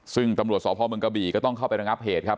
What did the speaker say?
ซึ่งตำรวจสพเมืองกะบี่ก็ต้องเข้าไประงับเหตุครับ